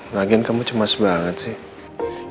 lagian kamu cemas banget sih